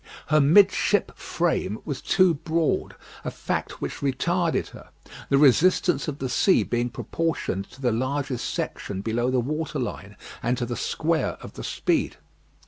Her midship frame was too broad, a fact which retarded her; the resistance of the sea being proportioned to the largest section below the water line, and to the square of the speed.